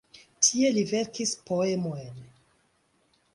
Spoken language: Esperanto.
Tie li verkis poemojn.